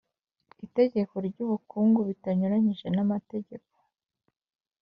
Itegeko ry’ubukungu bitanyuranije n’amategeko